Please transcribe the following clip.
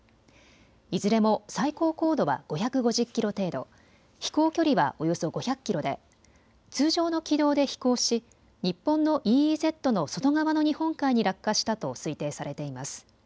いずれも最高高度は５５０キロ程度、飛行距離はおよそ５００キロで、通常の軌道で飛行し日本のＥＥＺの外側の日本海に落下したと推定されています。